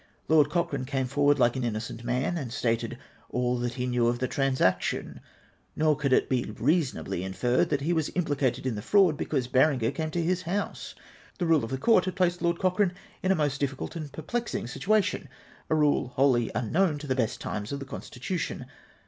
Lord Cochrane came forward like an innocent man, and stated all that he knew of the transaction ; nor could it be reasonably inferred that he Avas implicated in the fraud because Berenger came to his house. The rule of the Court had placed Lord Cochrane in a most difficult and perplexing situation ; a rule wholly imknown to the Ijest times of the constitution.